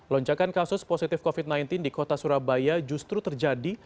lonjakan kasus positif covid sembilan belas di kota surabaya justru terjadi